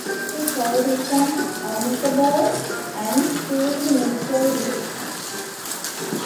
She called it an "amicable and truly mutual decision".